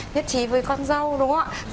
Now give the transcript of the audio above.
nhất trí với con dâu đúng không ạ